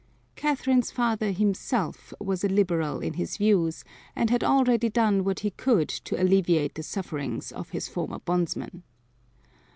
Catherine's father himself was liberal in his views and had already done what he could to alleviate the sufferings of his former bondsmen.